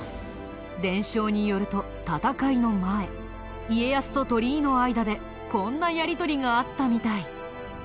伝承によると戦いの前家康と鳥居の間でこんなやり取りがあったみたい。